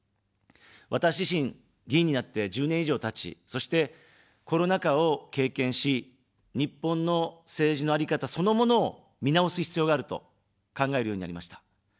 私自身、議員になって１０年以上たち、そして、コロナ禍を経験し、日本の政治のあり方そのものを見直す必要があると考えるようになりました。